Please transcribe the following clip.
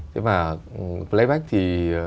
thế mà playback thì